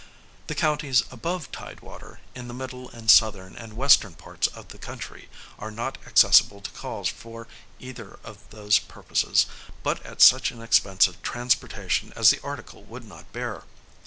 The counties above tide water, in the middle and southern and western parts of the country, are not accessible to calls for either of those purposes, but at such an expense of transportation as the article would not bear.